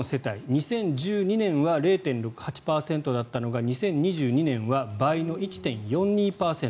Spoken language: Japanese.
２０１２年は０．６８％だったのが２０２２年は倍の１．４２％。